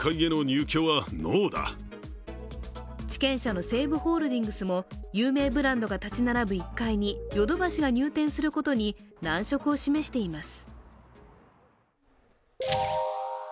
地権者の西武ホールディングスも有名ブランドが立ち並ぶ１階にヨドバシが入店することに難色を示しています。